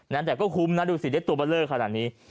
นั้นแต่ก็คุ้มนะดูสิเจ๊ตัวเบลอขนาดนี้